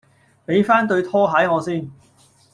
俾番對拖鞋我先